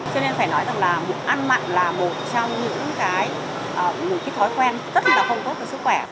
cho nên phải nói rằng là bụng ăn mặn là một trong những cái những cái thói quen rất là không tốt cho sức khỏe